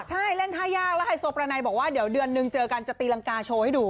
ใช่เล่นท่ายากแล้วไฮโซประไนบอกว่าเดี๋ยวเดือนนึงเจอกันจะตีรังกาโชว์ให้ดู